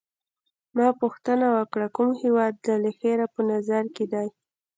ما پوښتنه وکړه: کوم هیواد دي له خیره په نظر کي دی؟